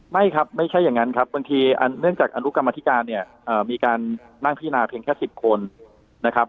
ไม่ครับไม่ใช่อย่างนั้นครับบางทีเนื่องจากอนุกรรมธิการเนี่ยมีการนั่งพินาเพียงแค่๑๐คนนะครับ